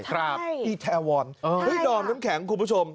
อีแทวอนดอมน้ำแข็งคุณผู้ชม